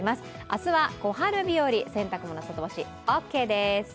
明日は小春日和、洗濯物、外干しオーケーです。